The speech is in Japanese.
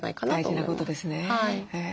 大事なことですね。